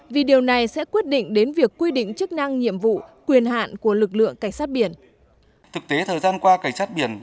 vì điều này sẽ quyết định đến việc quy định chức năng nhiệm vụ quyền hạn của lực lượng cảnh sát biển